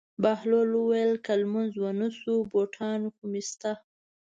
بهلول وویل: که لمونځ ونه شو بوټان خو مې شته.